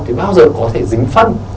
thì bao giờ có thể dính phân